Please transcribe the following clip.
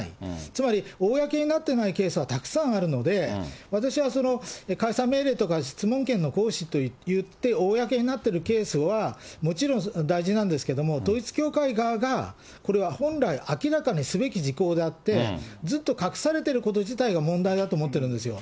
つまり、公になっていないケースはたくさんあるので、私は解散命令とか、質問権の行使といって、公になっているケースは、もちろん大事なんですけれども、統一教会側が、これは本来、明らかにすべき事項であって、ずっと隠されてること自体が問題だと思ってるんですよ。